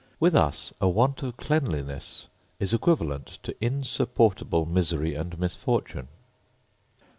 With us a want of cleanliness is equivalent to insupportable misery and misfortune.